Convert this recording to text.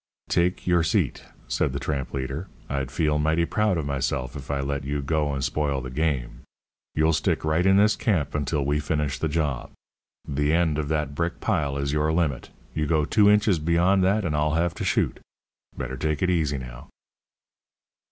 "Take your seat," said the tramp leader. "I'd feel mighty proud of myself if I let you go and spoil the game. You'll stick right in this camp until we finish the job. The end of that brick pile is your limit. You go two inches beyond that, and I'll have to shoot. Better take it easy, now."